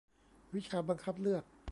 วิชาบังคับเลือก